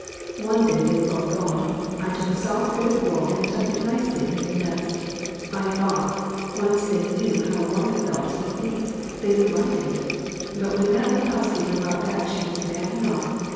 One day they were both gone. I took a soft bit of wool and tucked it nicely into the nest. I thought when they once knew how warm it felt to the feet they would like it. But when that little housekeeper got back she was mad enough